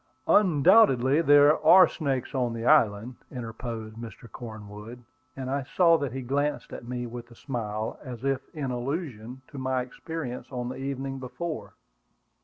"Undoubtedly there are snakes on the island," interposed Mr. Cornwood; and I saw that he glanced at me, with a smile, as if in allusion to my experience on the evening before.